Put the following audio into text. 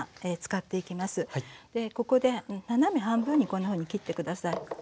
ここで斜め半分にこんなふうに切って下さい。